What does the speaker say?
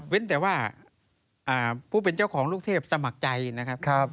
เป็นแต่ว่าผู้เป็นเจ้าของลูกเทพสมัครใจนะครับ